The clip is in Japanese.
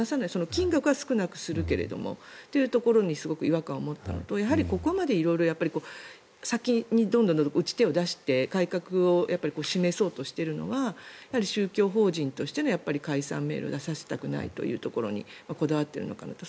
金額は少なくするけどというところにすごく違和感を持ったのとやはり、ここまで色々と先に打ち手を出して改革を示そうとしているのは宗教法人としての解散命令を出させたくないというところにこだわっているのかなって。